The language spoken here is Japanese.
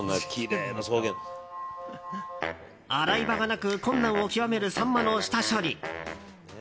洗い場がなく困難を極めるサンマの下処理。